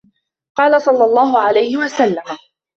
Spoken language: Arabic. قَالَ صَلَّى اللَّهُ عَلَيْهِ وَسَلَّمَ